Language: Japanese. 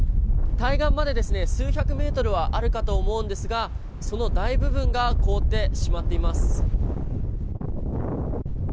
対岸まで数百メートルはあるかと思うんですがその大部分が凍ってしまっています。